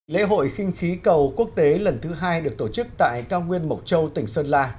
lễ hội kinh khí cầu quốc tế lần thứ hai được tổ chức tại cao nguyên mộc châu tỉnh sơn la